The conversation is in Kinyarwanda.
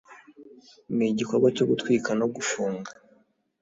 nigikorwa cyo gutwika no gufunga,